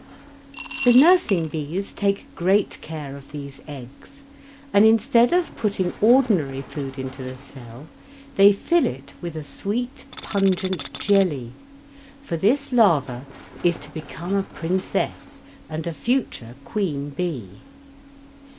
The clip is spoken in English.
The nursing bees take great care of these eggs, and instead of putting ordinary food into the cell, they fill it with a sweet, pungent jelly, for this larva is to become a princess and a future queen bee.